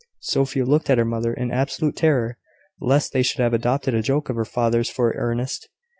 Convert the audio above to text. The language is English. Sophia looked at her mother in absolute terror, lest they should have adopted a joke of her father's for earnest.